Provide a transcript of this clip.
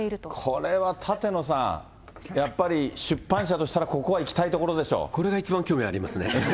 これは舘野さん、やっぱり出版社としたら、ここはいきたいとこれが一番興味ありますね。